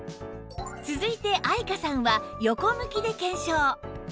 続いて愛華さんは横向きで検証